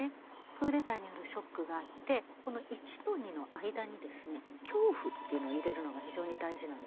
クーデターによるショックがあってこの１と２の間にですね「恐怖」というのを入れるのが非常に大事なんですね。